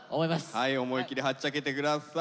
はい思い切りはっちゃけて下さい。